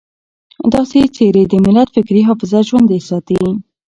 داسې څېرې د ملت فکري حافظه ژوندۍ ساتي.